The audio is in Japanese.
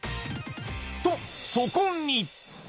とそこに。